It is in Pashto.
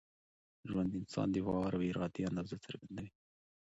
ژوند د انسان د باور او ارادې اندازه څرګندوي.